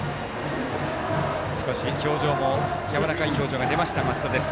やわらかい表情が出た増田です。